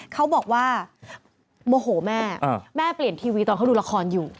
เขาบอกว่าโมโหแม่แม่เปลี่ยนทีวีตอนเขาดูละครอยู่